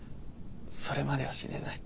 それまでは死ねない。